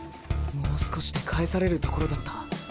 もう少しで返されるところだった。